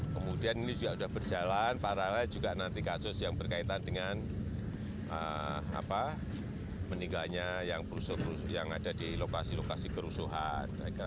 kemudian ini sudah berjalan paralel juga nanti kasus yang berkaitan dengan meninggalnya yang ada di lokasi lokasi kerusuhan